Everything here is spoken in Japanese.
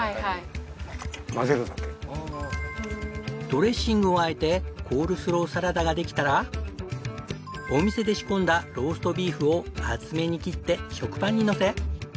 ドレッシングをあえてコールスローサラダができたらお店で仕込んだローストビーフを厚めに切って食パンにのせ。